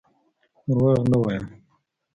دروغ نه وایم.